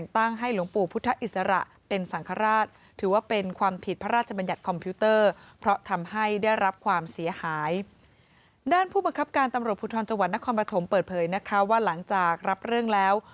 วันนักความประถมเปิดเผยนะคะว่าหลังจากรับเรื่องแล้ว